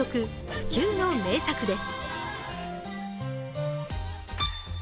不朽の名作です。